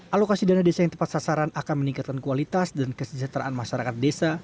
alokasi dana desa yang tepat sasaran akan meningkatkan kualitas dan kesejahteraan masyarakat desa